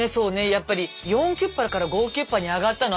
やっぱり４９８から５９８に上がったの